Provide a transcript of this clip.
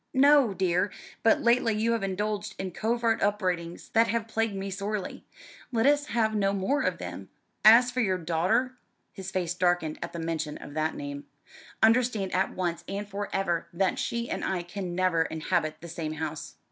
"No, dear; but lately you have indulged in covert upbraidings that have plagued me sorely. Let us have no more of them. As for your daughter" his face darkened at the mention of that name "understand at once and for ever that she and I can never inhabit the same house.